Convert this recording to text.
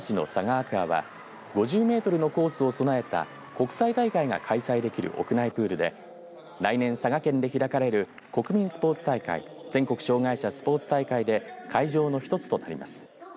アクアは５０メートルのコースを備えた国際大会が開催できる屋内プールで来年佐賀県で開かれる国民スポーツ大会全国障害者スポーツ大会で会場の一つとなります。